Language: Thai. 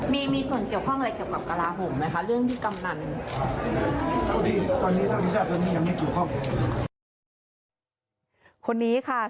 มีส่วนเกี่ยวข้องอะไรกับกราหงษ์ไหมค่ะเรื่องที่กำนัน